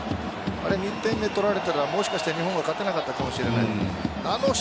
２点目、取られたらもしかしたら日本は勝てなかったかもしれない。